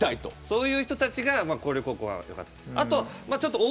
そういう人たちが広陵高校は良かった。